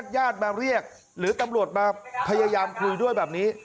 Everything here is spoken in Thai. ญาติมาเรียกหรือตำรวจมาพยายามคุยด้วยแบบนี้